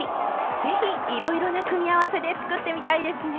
是非いろいろな組み合わせで作ってみたいですね！